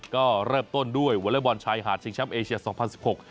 ก็เริ่มต้นด้วยวอเลเวอร์บอลชายหาดเชียงช้ำเอเชียร์๒๐๑๖